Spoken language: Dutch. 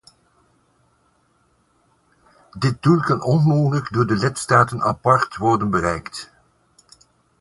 Dit doel kan onmogelijk door de lidstaten apart worden bereikt.